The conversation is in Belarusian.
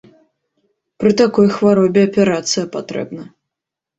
Пры такой хваробе аперацыя патрэбна.